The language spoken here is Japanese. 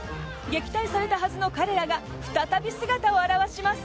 撃退されたはずの彼らが再び姿を現します。